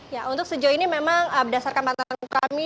ya untuk sejauh ini memang berdasarkan pantau kami